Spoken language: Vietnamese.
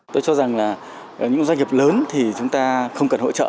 tôi cho rằng là những doanh nghiệp lớn thì chúng ta không cần hỗ trợ